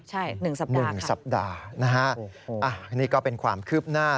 ใช่๑สัปดาห์ค่ะนะฮะอันนี้ก็เป็นความคืบหน้า